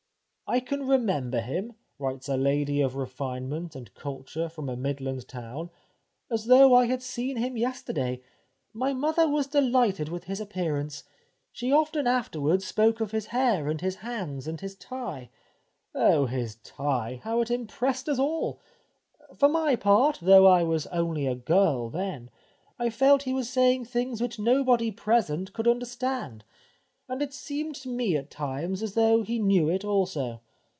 " I can remember him," writes a lady of refinement and culture from a Midland town, " as though I had seen him yesterday. My mother was delighted with his appearance ; she often afterwards spoke of his hair and his hands and his tie — oh ! his tie^ how it impressed us all. For my part, though I was only a girl then, I felt he was saying things which nobody present could understand, and it seemed to me at times as though he knew it also.